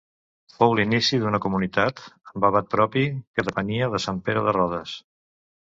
Fou l'inici d'una comunitat, amb abat propi, que depenia de Sant Pere de Rodes.